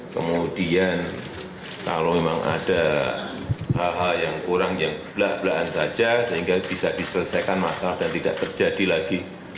kemudian kalau memang ada hal hal yang kurang yang belah belahan saja sehingga bisa diselesaikan masalah dan tidak terjadi lagi